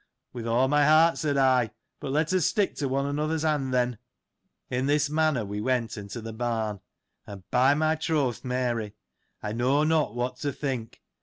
With all my heart, said I, but let us stick to one another's hand, then. In this manner we went into the barn, and by my troth, Mary, I know not what to think